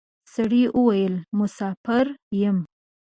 سړي وويل: مساپر یم.